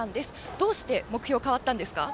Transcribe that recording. どうして目標変わったんですか？